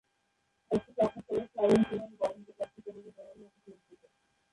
একটি সাক্ষাত্কারে, Sharon Cohen বলেন যে তার পিতামহ রোমানিয়া থেকে উদ্ভূত।